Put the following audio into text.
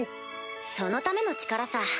そのための力さ。